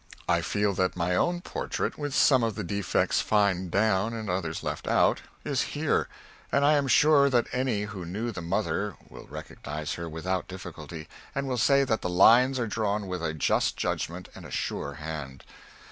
I feel that my own portrait, with some of the defects fined down and others left out, is here; and I am sure that any who knew the mother will recognize her without difficulty, and will say that the lines are drawn with a just judgment and a sure hand.